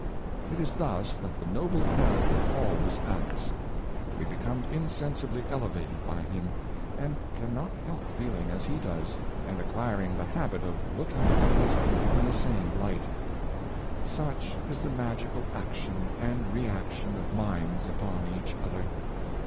"" It is thus that the noble character always acts; we become insensibly elevated by him^, and can not help feeling as he does, and acquiring the habit of look iuo^ at thincrs in the same lisfht Such is the masfical action and reaction of minds upon each other.